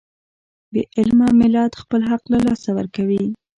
بې علمه ملت خپل حق له لاسه ورکوي.